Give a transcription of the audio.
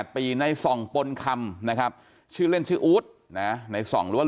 ในส่องปนคำนะครับชื่อเล่นชื่ออู๊ดนะในส่องหรือว่า